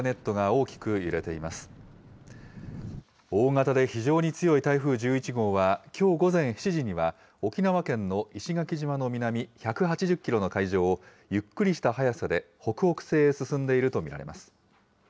大型で非常に強い台風１１号は、きょう午前７時には、沖縄県の石垣島の南１８０キロの海上を、ゆっくりした速さで北北西へ進んでいると見られます。